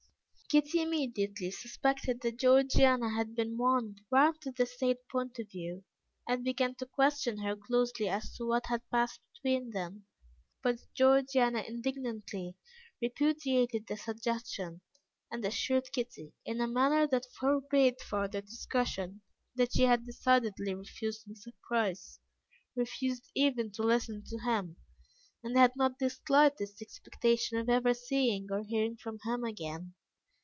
Kitty immediately suspected that Georgiana had been won round to the said point of view, and began to question her closely as to what had passed between them; but Georgiana indignantly repudiated the suggestion, and assured Kitty, in a manner that forbade further discussion, that she had decidedly refused Mr. Price, refused even to listen to him, and had not the slightest expectation of ever seeing or hearing from him again.